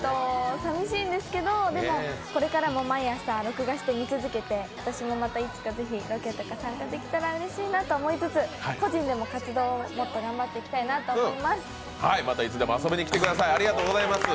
寂しいんですけど、でも、これからも毎朝、録画して見続けて私もまたいつかぜひロケとか参加できたらうれしいなと感じつつ個人でも活動をもっと頑張っていきたいと思っています。